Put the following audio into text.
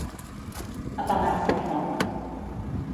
Apagar-se el foc.